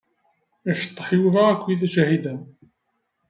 Iceṭṭeḥ Yuba akked Ǧahida.